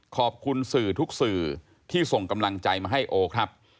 ขอบคุณสื่อทุกสื่อที่ส่งกำลังใจมาให้โอครับ